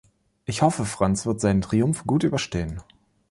Ich hoffe, Franz wird seinen Triumph gut überstehen.